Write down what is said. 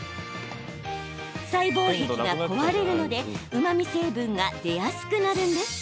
細胞壁が壊れるのでうまみ成分が出やすくなるんです。